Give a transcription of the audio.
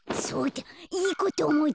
いいことおもいついた。